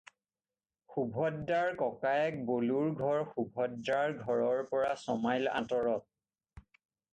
সুভদ্ৰাৰ ককায়েক বলোৰ ঘৰ সুভদ্ৰাৰ ঘৰৰ পৰা ছমাইল আঁতৰত।